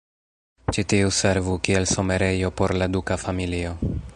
Ĉi tiu servu kiel somerejo por la duka familio.